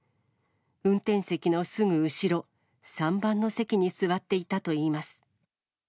運転席のすぐ後ろ、３番の席に座っていたといいます。